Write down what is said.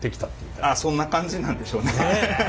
ああそんな感じなんでしょうね。